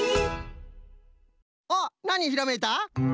あっなにひらめいた？